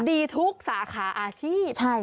ดีทุกสาขาอาชีพ